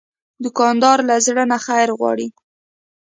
دوکاندار له زړه نه خیر غواړي.